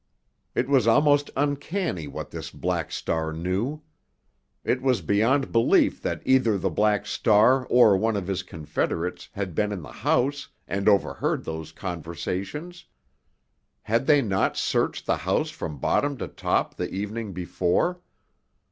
It was almost uncanny what this Black Star knew. It was beyond belief that either the Black Star or one of his confederates had been in the house and overheard those conversations. Had they not searched the house from bottom to top the evening before?